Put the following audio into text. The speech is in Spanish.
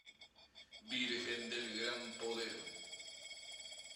Virgen del Gran Poder.